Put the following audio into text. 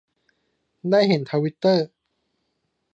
ได้เห็นทวิตเตอร์